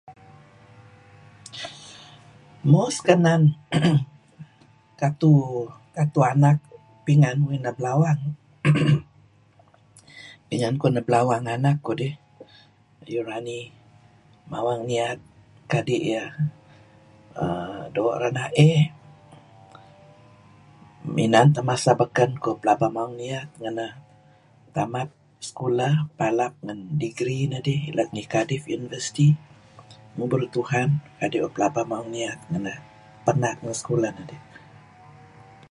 Mo sekanan katu anak, katu anak pingan belawang. Pingan kuh neh belawang anak kudih Yorrani mawang niat kadi' iyeh uhm doo' renaey. Inan teh masa baken kuh pelaba mawang niat. Ngeneh tamat sekolah, palap ngen degree nedih lat ngi Cardiff University ngubur Tuhan kadi' uih mawang niat ngeneh. Prnak ngen sekolah nedih.